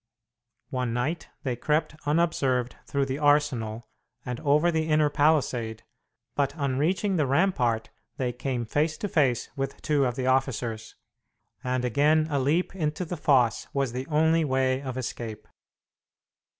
One night they crept unobserved through the arsenal and over the inner palisade, but on reaching the rampart they came face to face with two of the officers, and again a leap into the fosse was the only way of escape.